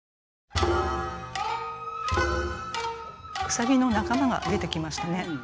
兎の仲間が出てきましたね。